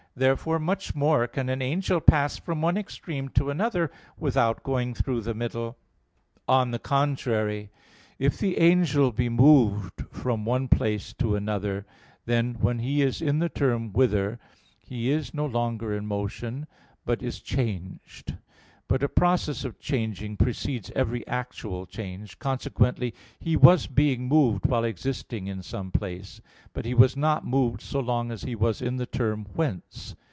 Therefore much more can an angel pass from one extreme to another without going through the middle. On the contrary, If the angel be moved from one place to another, then, when he is in the term "whither," he is no longer in motion, but is changed. But a process of changing precedes every actual change: consequently he was being moved while existing in some place. But he was not moved so long as he was in the term "whence."